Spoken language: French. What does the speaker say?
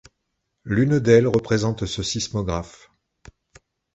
L’une d’elle représente ce sismographe.